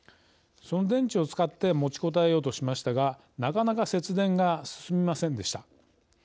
その電池を使って持ちこたえようとしましたがなかなか節電が進みませんでした。